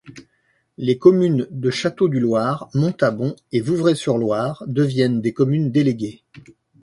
Les communes de Château-du-Loir, Montabon et Vouvray-sur-Loir deviennent des communes déléguées.